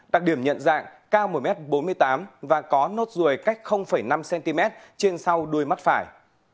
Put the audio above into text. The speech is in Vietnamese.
đặc điểm nhận dạng cao một m bốn mươi tám và có nốt ruồi cách năm cm trên sau đuôi mắt phải